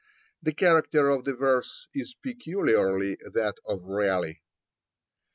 The character of the verse is peculiarly that of Raleigh.